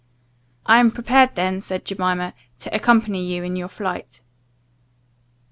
I am prepared then," said Jemima, "to accompany you in your flight."